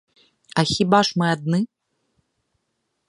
А хіба ж мы адны?